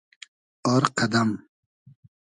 آر قئدئم